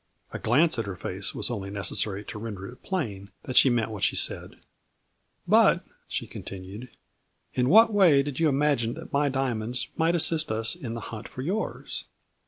A glance at her face was only necessary to render it plain that she meant what she said. " But," she continued, " in what way did you imagine that my diamonds might assist us in 12 178 A FLURRY IN DIAMONDS.